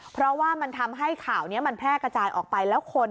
เพราะว่ามันทำให้ข่าวนี้มันแพร่กระจายออกไปแล้วคน